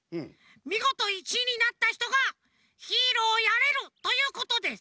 みごと１いになったひとがヒーローをやれるということです。